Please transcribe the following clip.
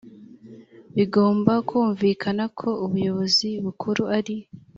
bigomba kumvikana ko ubuyobozi bukuru ari